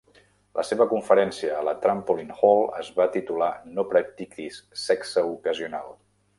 La seva conferència a la Trampoline Hall es va titular "No practiquis sexe ocasional".